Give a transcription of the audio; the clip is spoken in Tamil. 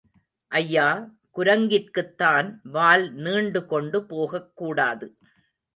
ஐயா, குரங்கிற்குத்தான் வால் நீண்டுகொண்டு போகக் கூடாது.